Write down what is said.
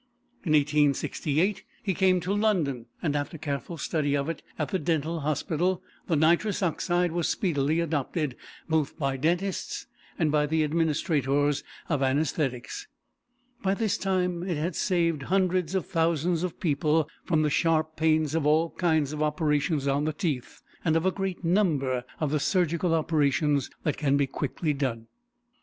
In 1868 he came to London and, after careful study of it at the Dental Hospital, the nitrous oxide was speedily adopted, both by dentists and by the administrators of anæsthetics. By this time it has saved hundreds of thousands of people from the sharp pains of all kinds of operations on the teeth and of a great number of the surgical operations that can be quickly done.